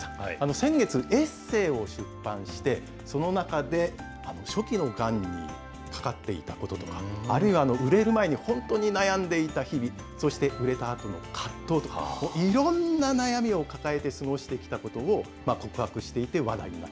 先月、エッセーを出版して、その中で初期のがんにかかっていたこととか、あるいは売れる前に本当に悩んでいた日々、そして売れたあとの葛藤とか、いろんな悩みを抱えて過ごしてきたことを告白していて話題になっ